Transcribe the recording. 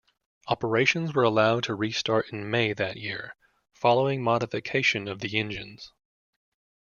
Operations were allowed to restart in May that year, following modification of the engines.